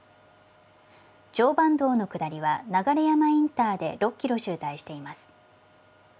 常磐道の下りは、流山インターで６キロ渋滞しています。